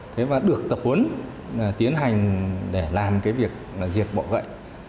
thế mà được tập huấn tiến hành để làm cái việc diệt bỏ gậy